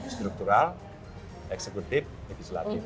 struktural eksekutif di selatip